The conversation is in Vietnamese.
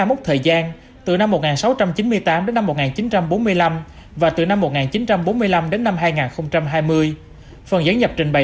mốc thời gian từ năm một nghìn sáu trăm chín mươi tám đến năm một nghìn chín trăm bốn mươi năm và từ năm một nghìn chín trăm bốn mươi năm đến năm hai nghìn hai mươi phần dẫn nhập trình bày